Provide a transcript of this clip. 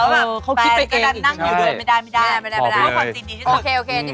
โอเคนี่ถือว่าเลิก